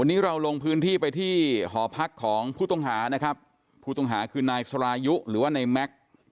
วันนี้เราลงพื้นที่ไปที่หอพักของผู้ต้องหานะครับผู้ต้องหาคือนายสรายุหรือว่าในแม็กซ์